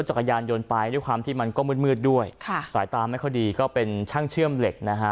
รถจักรยานโยนไปด้วยความที่มันก็มืดด้วยสายตามก็ดีก็เป็นช่างเชื่อมเหล็กนะ